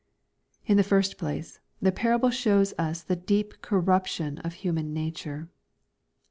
In the first place, the parable shows us the deep cor rupfion of human nature.